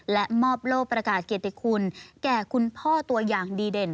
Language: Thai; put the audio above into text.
และมอบโลกประกาศเกียรติคุณแก่คุณพ่อตัวอย่างดีเด่น